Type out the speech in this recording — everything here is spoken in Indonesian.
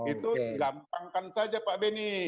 itu gampangkan saja pak beni